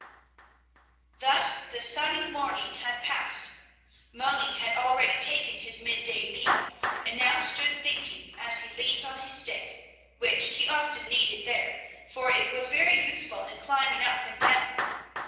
Thus the sunny morning had passed; Moni had already taken his midday meal and now stood thinking as he leaned on his stick, which he often needed there, for it was very useful in climbing up and down.